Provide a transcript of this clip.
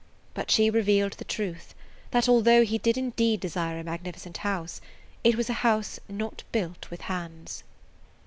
But she revealed the truth that, although he did indeed desire a magnificent house, it was a house not built with hands.